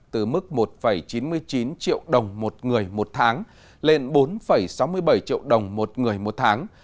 từ mức một chín mươi chín triệu đồng một người một tháng lên bốn sáu mươi bảy triệu đồng một người một tháng